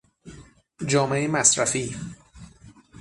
جامعهی مصرفی